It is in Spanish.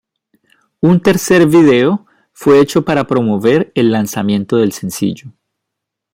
Un tercer vídeo fue hecho para promover el lanzamiento del sencillo.